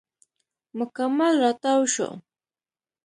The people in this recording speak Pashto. مکمل راتاو شو.